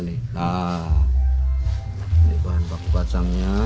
nah ini bahan baku kacangnya